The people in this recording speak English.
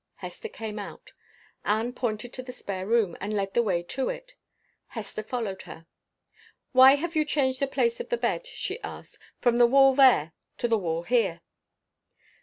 Hester came out. Anne pointed to the spare room, and led the way to it. Hester followed her. "Why have you changed the place of the bed," she asked, "from the wall there, to the wall here?"